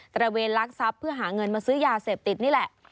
ระเวนลักทรัพย์เพื่อหาเงินมาซื้อยาเสพติดนี่แหละ